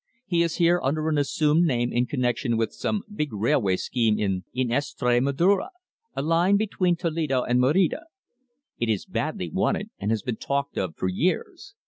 "He is here under an assumed name in connexion with some big railway scheme in Estremadura a line between Toledo and Merida. It is badly wanted, and has been talked of for years.